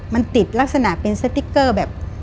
มันติดลักษณะเป็นสติ๊กเกอร์แบบ